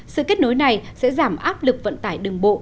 sự kết nối này sẽ giảm áp lực vận tải đường bộ